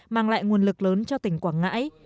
mang lại nguồn lực lớn cho tỉnh quảng ngãi